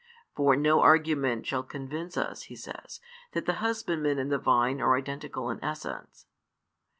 "For no argument shall convince us," he says, "that the husbandman and the vine are identical in essence."